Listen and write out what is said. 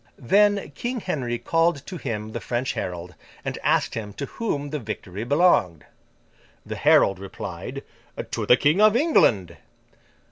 Then King Henry called to him the French herald, and asked him to whom the victory belonged. The herald replied, 'To the King of England.